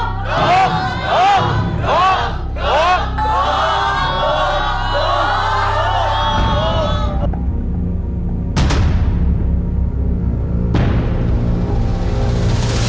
ถูก